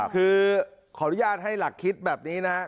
คือขออนุญาตให้หลักคิดแบบนี้นะครับ